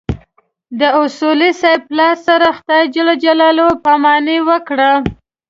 د اصولي صیب پلار سره خدای ج پاماني وکړه.